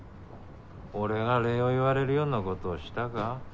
「俺が礼を言われるようなことをしたか？」